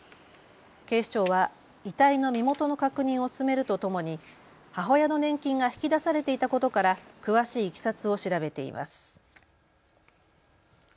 警視庁は遺体の身元の確認を進めるとともに母親の年金が引き出されていたことから詳しいいきさつを調べています。